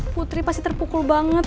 putri pasti terpukul banget